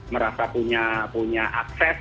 merasa punya akses